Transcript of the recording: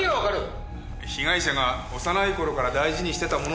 被害者が幼い頃から大事にしてたもののようなんですよ。